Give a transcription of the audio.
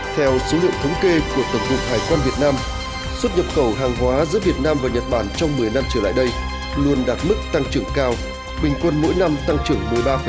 theo số liệu thống kê của tổng cục hải quan việt nam xuất nhập khẩu hàng hóa giữa việt nam và nhật bản trong một mươi năm trở lại đây luôn đạt mức tăng trưởng cao bình quân mỗi năm tăng trưởng một mươi ba năm